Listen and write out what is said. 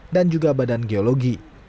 dan juga badan geologi